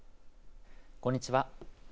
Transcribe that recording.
こんにちは。